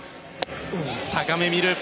高め、見る。